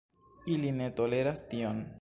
Ili ne toleras tion.